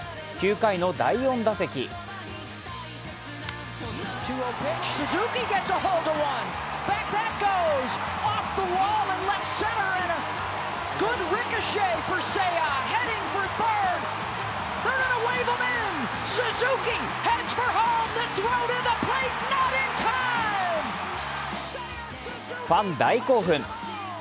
９回の第４打席ファン大興奮！